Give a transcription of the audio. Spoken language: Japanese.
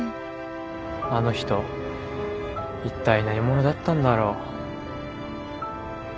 あの人一体何者だったんだろう。